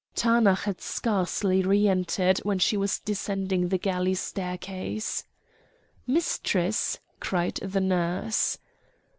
Taanach had scarcely re entered when she was descending the galley staircase. "Mistress!" cried the nurse.